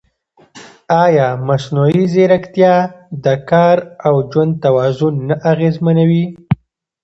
ایا مصنوعي ځیرکتیا د کار او ژوند توازن نه اغېزمنوي؟